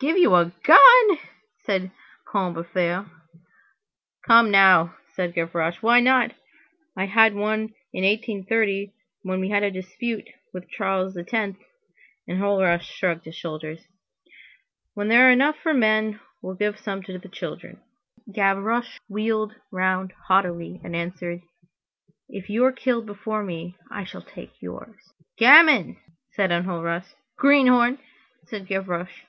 "Give you a gun!" said Combeferre. "Come now!" said Gavroche, "why not? I had one in 1830 when we had a dispute with Charles X." Enjolras shrugged his shoulders. "When there are enough for the men, we will give some to the children." Gavroche wheeled round haughtily, and answered:— "If you are killed before me, I shall take yours." "Gamin!" said Enjolras. "Greenhorn!" said Gavroche.